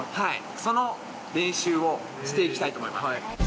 その練習をして行きたいと思います。